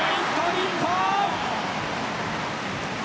日本。